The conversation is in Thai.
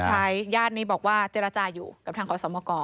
อย่างยาติที่บอกว่าเจรจาอยู่กับทางคศมก